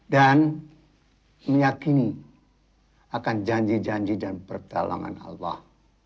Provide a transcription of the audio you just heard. meyakini akan janji janji dan pertalangan allah